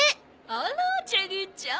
あらチェリーちゃん